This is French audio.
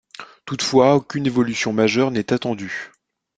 Toutefois aucune évolution majeure n'est attendue.